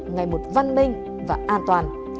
ngày một văn minh và an toàn